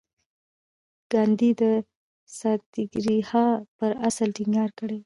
ګاندي د ساتیاګراها پر اصل ټینګار کاوه.